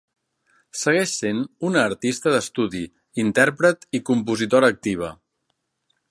Segueix sent una artista d'estudi, intèrpret i compositora activa.